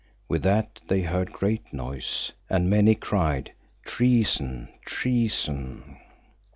With that they heard a great noise, and many cried, Treason, treason!